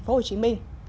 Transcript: hà nội tp hcm